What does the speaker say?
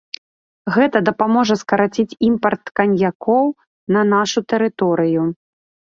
Гэта дапаможа скараціць імпарт каньякоў на нашу тэрыторыю.